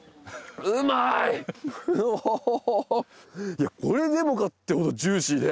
いやこれでもかっていうほどジューシーで。